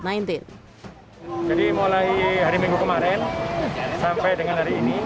jadi mulai hari minggu kemarin sampai dengan hari ini